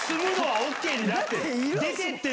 出てってよ！